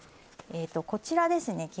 こちらですね